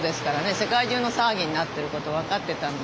世界中の騒ぎになってる事分かってたんで。